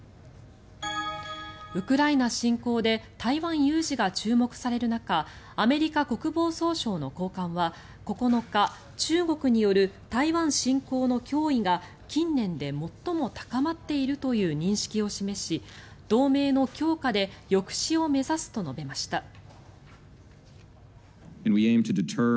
ウクライナ侵攻で台湾有事が注目される中アメリカ国防総省の高官は９日中国による台湾侵攻の脅威が近年で最も高まっているという認識を示し同盟の強化で抑止を目指すと述べました。